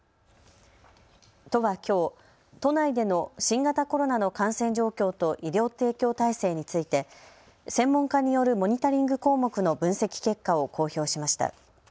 都はきょう都内での新型コロナの感染状況と医療提供体制について専門家によるモニタリング項目の分析結果を公表しました。